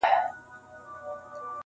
راټول سوی وه مېږیان تر چتر لاندي-